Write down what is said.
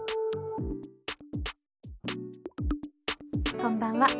こんばんは。